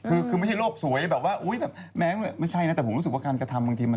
เออคือชีวิตมันมีอย่างอื่นที่จะทำได้อีกเยอะอะ